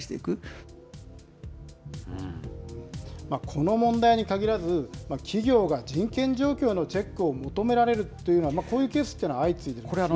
この問題にかぎらず、企業が人権状況のチェックを求められるというのは、こういうケースというのは相次いでいるんです。